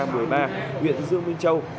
nguyễn dương minh châu